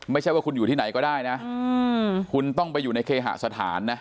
ไม่ใช่ว่าคุณอยู่ที่ไหนก็ได้นะคุณต้องไปอยู่ในเคหสถานนะ